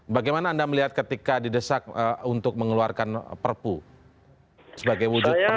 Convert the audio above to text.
bagaimana anda melihat ketika didesak untuk mengeluarkan perpu sebagai wujud perusahaan